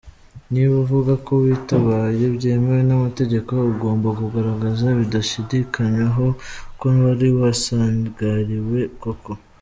Niba uvuga ko “witabaye byemewe n’amategeko” ugomba kugaragaza bidashidikanywaho ko wari wasagariwe koko.